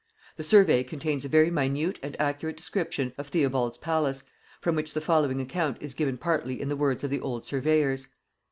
The Survey contains a very minute and accurate description of Theobald's palace, from which the following account is given partly in the words of the old surveyors.